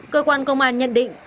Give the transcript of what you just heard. cơ quan công an nhận định